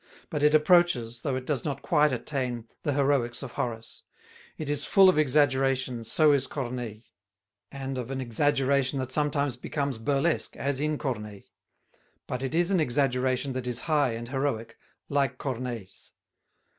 But it approaches, though it does not quite attain, the heroics of Horace. It is full of exaggeration so is Corneille; and of an exaggeration that sometimes becomes burlesque as in Corneille; but it is an exaggeration that is high and heroic, like Corneille's.